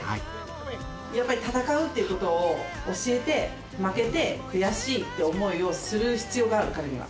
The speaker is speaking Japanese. やっぱり戦うっていうことを教えて、負けて悔しいっていう思いをする必要がある、彼には。